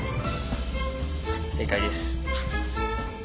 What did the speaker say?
正解です。